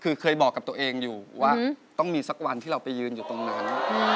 คือเคยบอกกับตัวเองอยู่ว่าต้องมีสักวันที่เราไปยืนอยู่ตรงนั้น